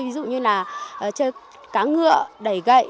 ví dụ như là chơi cá ngựa đẩy gậy